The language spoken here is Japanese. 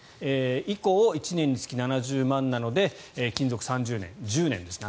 以降、１年につき７０万なので勤続３０年、あと１０年ですね。